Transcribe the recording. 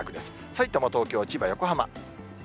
さいたま、東京、千葉、横浜。